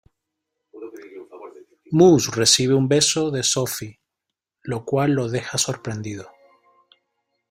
Moose recibe un beso de Sophie, lo cual lo deja sorprendido.